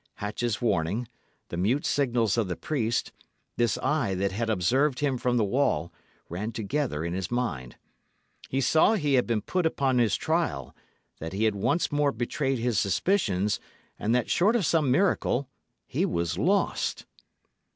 Hatch's warning, the mute signals of the priest, this eye that had observed him from the wall, ran together in his mind. He saw he had been put upon his trial, that he had once more betrayed his suspicions, and that, short of some miracle, he was lost.